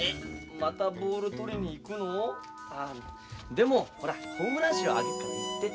またボール取りに行くの？でもほらホームラン賞あげっから行って。